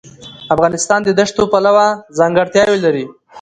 افغانستان د دښتو پلوه ځانګړتیاوې لري.